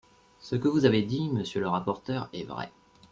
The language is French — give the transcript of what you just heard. Ce que vous avez dit, monsieur le rapporteur est vrai.